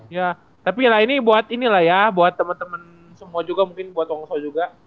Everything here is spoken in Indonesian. iya tapi ya ini buat ini lah ya buat temen temen semua juga mungkin buat wongso juga